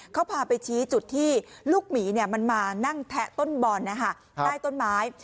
เขาพาไปชี้จุดที่ลูกหมีมันมานั่งแทะต้นบ่อนใต้ต้นไม้